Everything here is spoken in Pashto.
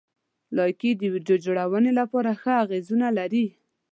لایکي د ویډیو جوړونې لپاره ښه اغېزونه لري.